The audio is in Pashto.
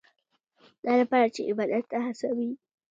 دا لپاره چې عبادت ته هڅوي.